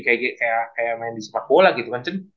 kayak main di sepak bola gitu